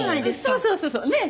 そうそうそうそうねえ？